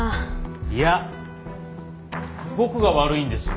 いや僕が悪いんです。